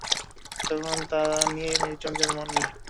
তখন তা আর নিউটন জন্মাননি!